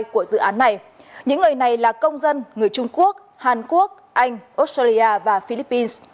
của dự án này những người này là công dân người trung quốc hàn quốc anh australia và philippines